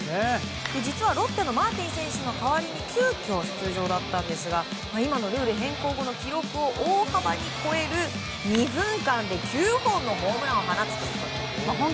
実はロッテのマーティン選手の代わりに急きょ、出場だったんですが今のルール変更後の記録を大幅に超える２分間で９本のホームランを放つという。